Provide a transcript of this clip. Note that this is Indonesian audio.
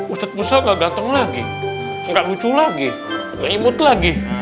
ustadz musa gak dateng lagi gak lucu lagi gak imut lagi